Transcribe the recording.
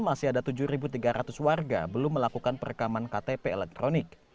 masih ada tujuh tiga ratus warga belum melakukan perekaman ktp elektronik